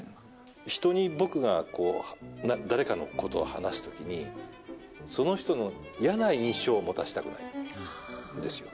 人に僕が誰かのことを話すときに、その人の嫌な印象を持たせたくないんですよ。